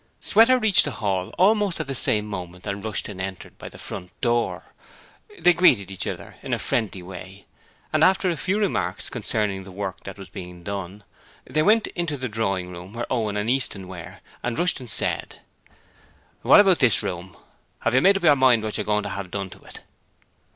Sweater reached the hall almost at the same moment that Rushton entered by the front door. They greeted each other in a friendly way and after a few remarks concerning the work that was being done, they went into the drawing room where Owen and Easton were and Rushton said: 'What about this room? Have you made up your mind what you're going to have done to it?'